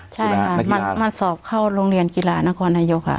ใช่ค่ะมาสอบเข้าโรงเรียนกีฬานครนายกค่ะ